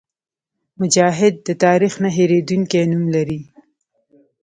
مجاهد د تاریخ نه هېرېدونکی نوم لري.